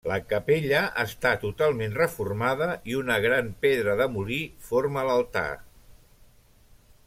La capella està totalment reformada i una gran pedra de molí forma l'altar.